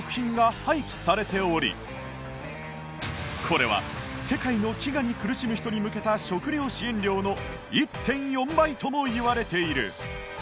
これは世界の飢餓に苦しむ人に向けた食料支援量の １．４ 倍ともいわれている